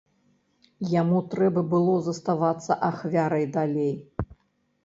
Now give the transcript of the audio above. Яму трэба было заставацца ахвярай далей.